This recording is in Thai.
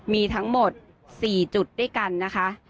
มีทั้งหมด๔จุดด้วยกันนะคะ